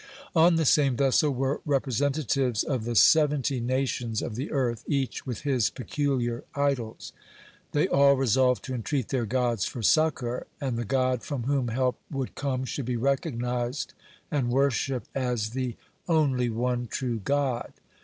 On the same vessel were representatives of the seventy nations of the earth, each with his peculiar idols. They all resolved to entreat their gods for succor, and the god from whom help would come should be recognized and worshipped at the only one true God.